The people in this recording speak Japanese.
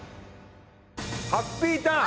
ハッピーターン！